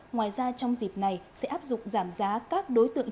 ngoài ra trong dịp này sẽ áp dụng giảm giá các đối tượng